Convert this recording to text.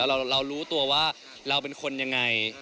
เรารู้ตัวว่าเราเป็นคนยังไง